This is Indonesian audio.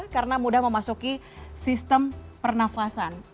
karena mudah memasuki sistem pernafasan